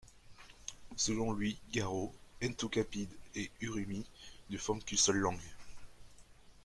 Selon lui, karo, ntogapíd et urumí ne forment qu'une seule langue.